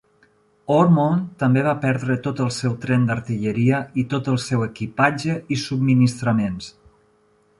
Ormonde també va perdre tot el seu tren d'artilleria i tot el seu equipatge i subministraments.